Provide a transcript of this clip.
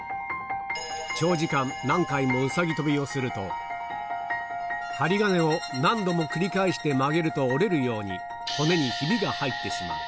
長時間、何回もうさぎ跳びをすると、針金を何度も繰り返して曲げると折れるように、骨にひびが入ってしまう。